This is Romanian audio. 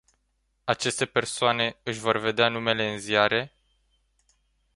Aceste persoane își vor vedea numele în ziare?